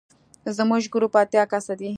زموږ ګروپ اتیا کسه دی.